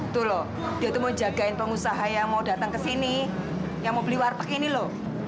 tuh lho dia tuh mau jagain pengusaha yang mau datang kesini yang mau beli warpak ini lo